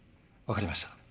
わかりました。